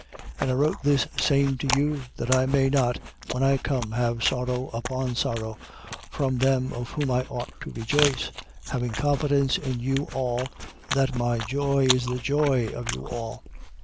2:3. And I wrote this same to you: that I may not, when I come, have sorrow upon sorrow from them of whom I ought to rejoice: having confidence in you all, that my joy is the joy of you all.